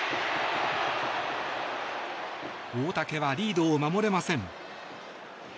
大竹はリードを守れません。